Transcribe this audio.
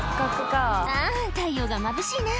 「あぁ太陽がまぶしいな」